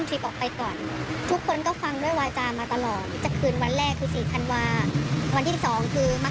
งวดที่๓ก็คือกุมภาคมเลยประมาณนี้ค่ะ